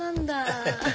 ハハハ